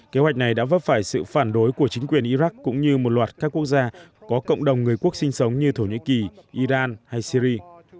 kế hoạch này đã vấp phải sự phản đối của chính quyền iraq cũng như một loạt các quốc gia có cộng đồng người quốc sinh sống như thổ nhĩ kỳ iran hay syri